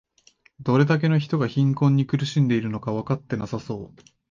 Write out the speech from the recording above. どれだけの人が貧困に苦しんでいるのかわかってなさそう